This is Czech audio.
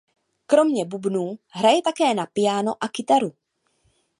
Kromě bubnů hraje také na piano a kytaru.